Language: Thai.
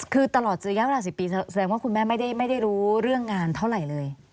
คือตลอดระยะเวลา๑๐ปีแสดงว่าคุณแม่ไม่ได้รู้เรื่องงานเท่าไหร่เลย